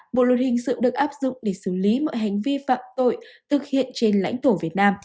bộ luật hình sự được áp dụng để xử lý mọi hành vi phạm tội thực hiện trên lãnh thổ việt nam